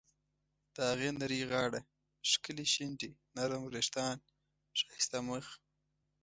د هغې نرۍ غاړه، ښکلې شونډې ، نرم ویښتان، ښایسته مخ..